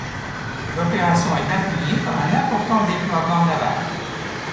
L'opération est appuyée par un important déploiement naval.